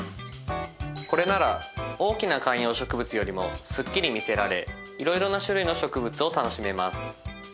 これなら大きな観葉植物よりもすっきり見せられいろいろな種類の植物を楽しめます。